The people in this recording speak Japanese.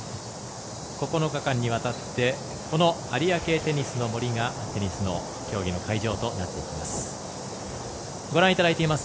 ９日間にわたってこの有明テニスの森がテニスの競技の会場となっていきます。